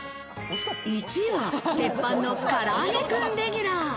１位は鉄板のからあげクンレギュラー。